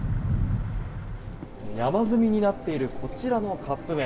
山積みになっているこちらのカップ麺。